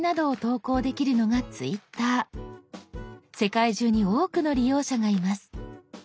世界中に多くの利用者がいます。